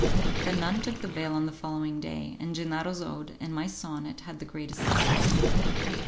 The nun took the veil on the following day, and Gennaro's ode and my sonnet had the greatest success.